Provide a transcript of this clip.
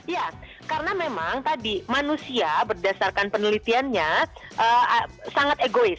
ya karena memang tadi manusia berdasarkan penelitiannya sangat egois